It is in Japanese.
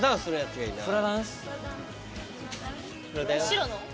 白の？